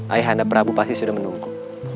ayah anda prabu pasti sudah menunggu